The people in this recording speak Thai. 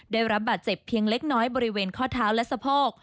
ได้รับบาดเจ็บเพียงเล็กน้อยบริเวณข้อเท้าและสะโพก